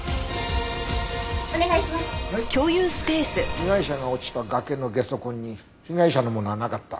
被害者が落ちた崖のゲソ痕に被害者のものはなかった。